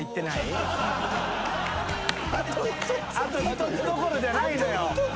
「あとひとつ」どころじゃないのよ。